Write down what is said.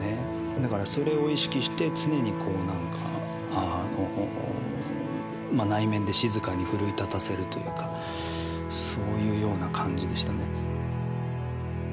だからそれを意識して常に何か内面で静かに奮い立たせるというかそういうような感じでしたね。